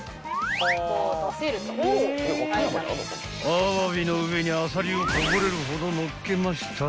［あわびの上にあさりをこぼれるほどのっけましたら］